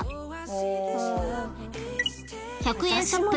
［１００円ショップ